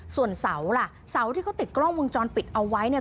ส่วนเสาล่ะเสาที่เขาติดกล้องวงจรปิดเอาไว้เนี่ย